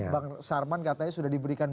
bang sarman katanya sudah diberikan